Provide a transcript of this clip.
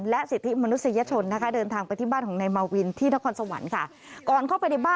และสิทธิมนุษยชนนะคะ